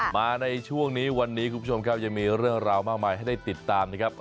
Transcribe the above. มาในช่วงนี้วันนี้คุณผู้ชมครับยังมีเรื่องราวมากมายให้ได้ติดตามนะครับ